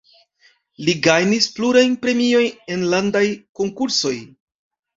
Li gajnis plurajn premiojn en landaj konkursoj.